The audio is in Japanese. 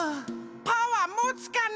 パワーもつかな？